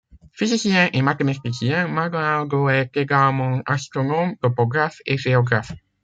Physicien et mathématicien, Maldonado est également astronome, topographe et géographe.